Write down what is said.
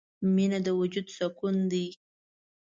• مینه د وجود سکون دی.